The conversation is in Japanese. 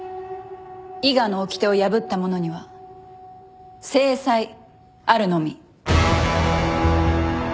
伊賀のおきてを破った者には制裁あるのみ。